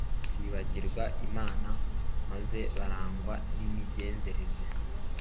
kwibagirwa Imana, maze barangwa n’imigenzereze